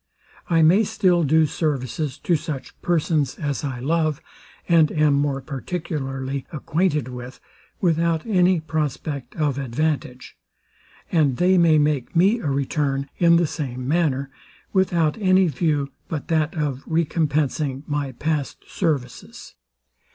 I may still do services to such persons as I love, and am more particularly acquainted with, without any prospect of advantage; and they may make me a return in the same manner, without any view but that of recompensing my past services.